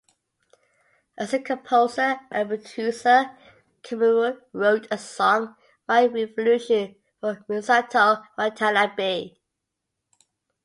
As a composer and producer, Komuro wrote a song "My Revolution" for Misato Watanabe.